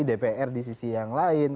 dpr di sisi yang lain